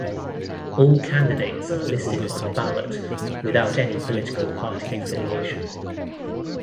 All candidates are listed on the ballot without any political party affiliation.